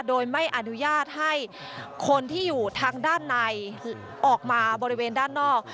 โดยไม่อนุญาตให้คนที่อยู่ทางด้านในออกมาบริเวณด้านนอก